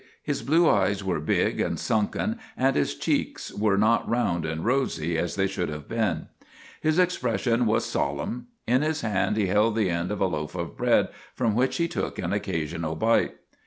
His blue eyes were big and MAGINNIS 55 sunken, and his cheeks were not round and rosy as they should have been. His expression was solemn. In his hand he held the end of a loaf of bread from which he took an occasional bite.